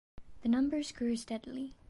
The numbers grew steadily.